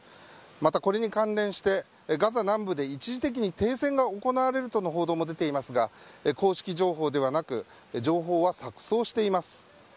またこれに関連してガザ南部で一時的に停戦が行われるとの報道も出ていますが公式情報ではなく情報は錯綜しています。